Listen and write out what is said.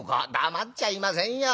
「黙っちゃいませんよ。